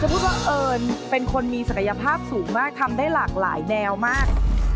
พูดว่าเอิญเป็นคนมีศักยภาพสูงมากทำได้หลากหลายแนวมาก